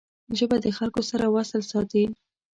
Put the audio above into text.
ژبه د خلګو سره وصل ساتي